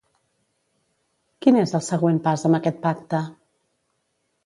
Quin és el següent pas amb aquest pacte?